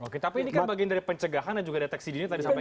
oke tapi ini kan bagian dari pencegahan dan juga deteksi dini tadi sampaikan